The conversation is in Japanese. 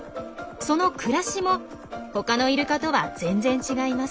その暮らしも他のイルカとは全然違います。